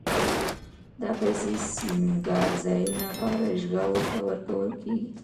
دا پیسې سینګارځایونو یا آرایشګاوو ته ورکول کېږي